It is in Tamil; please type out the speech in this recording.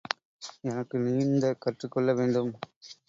எனக்கு நீந்தக் கற்றுக்கொள்ள வேண்டும்.